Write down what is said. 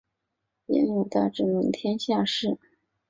焉有大智论天下事！